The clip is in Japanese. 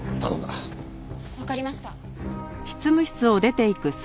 わかりました。